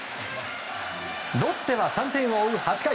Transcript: ロッテは３点を追う８回。